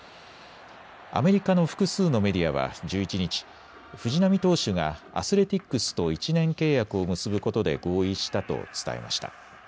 アメリカの複数のメディアは１１日、藤浪投手がアスレティックスと１年契約を結ぶことで合意したと伝えました。